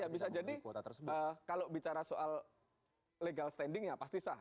bisa jadi kalau bicara soal legal standing pasti sah